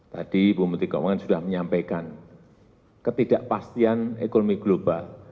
tadi bumutik keuangan sudah menyampaikan ketidakpastian ekonomi global